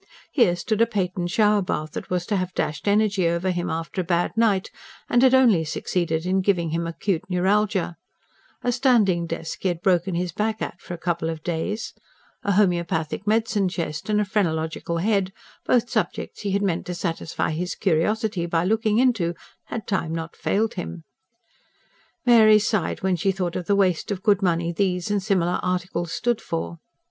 Here stood a patent shower bath, that was to have dashed energy over him after a bad night, and had only succeeded in giving him acute neuralgia; a standing desk he had broken his back at for a couple of days; a homoeopathic medicine chest and a phrenological head both subjects he had meant to satisfy his curiosity by looking into, had time not failed him. Mary sighed, when she thought of the waste of good money these and similar articles stood for.